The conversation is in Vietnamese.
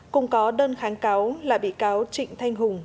cùng có đơn kháng cáo là bị cáo trịnh thanh hùng